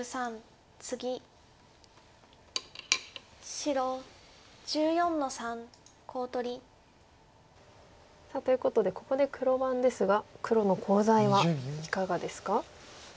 白１４の三コウ取り。ということでここで黒番ですが黒のコウ材はいかがですか？